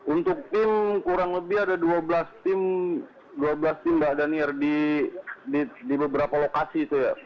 untuk tim kurang lebih ada dua belas tim dua belas tim mbak danir di beberapa lokasi itu ya